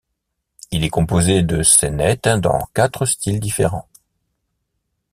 Il est composé de saynètes, dans quatre styles différents.